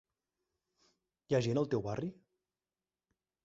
Hi ha gent al teu barri?